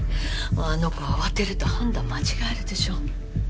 あの子慌てると判断間違えるでしょ